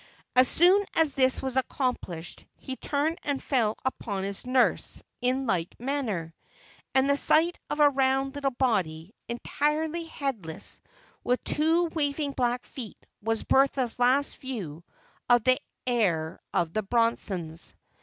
As soon as this was accomplished, he turned and fell upon his nurse in like manner, and the sight of a round little body, entirely headless, with two waving black feet, was Bertha's last view of the heir of the Bronsons.